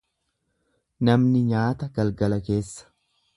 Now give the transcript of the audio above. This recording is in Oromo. Namni nyaata galgala keessa.